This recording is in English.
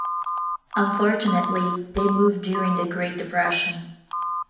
Unfortunately, they move during the Great Depression.